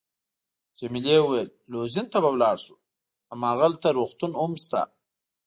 جميلې وويل:: لوزین ته به ولاړ شو، هماغلته روغتون هم شته.